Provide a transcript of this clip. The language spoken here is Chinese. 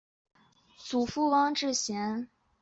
祖父汪志贤。